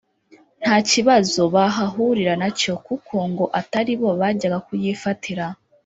nta kibazo bahahurira nacyo kuko ngo ataribo bajyaga kuyifatira